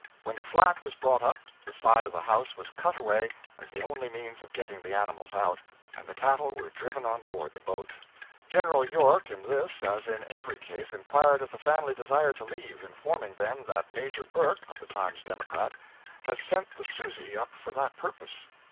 When the flat was brought up, the side of the house was cut away as the only means of getting the animals out, and the cattle were driven on board the boat. General York, in this as in every case, inquired if the family desired to leave, informing them that Major Burke, of 'The Times Democrat,' has sent the 'Susie' up for that purpose.